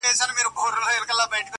• خوار چي موړ سي مځکي ته نه ګوري -